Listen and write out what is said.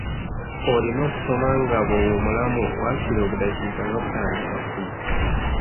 Olina okusoma nga bw'owummulamu, waakiri obudaakiika nga butaano oba kkumi.